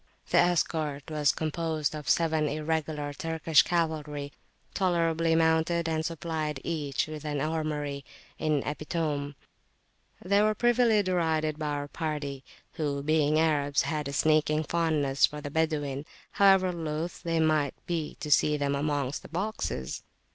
The escort was composed of seven Irregular Turkish cavalry, tolerably mounted, and supplied each with an armoury in epitome. They were privily derided by our party, who, being Arabs, had a sneaking fondness for the Badawin, however loth they might be to see them amongst the boxes.